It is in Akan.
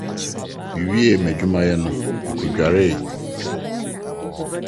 Me wie m’adwuma yɛ no, mekɔ guare.